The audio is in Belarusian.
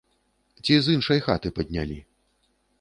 Ці з іншай хаты паднялі.